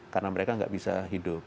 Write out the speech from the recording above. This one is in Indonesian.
karena mereka nggak bisa hidup